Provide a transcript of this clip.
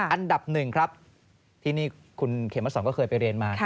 อันดับหนึ่งครับที่นี่คุณเขมสอนก็เคยไปเรียนมา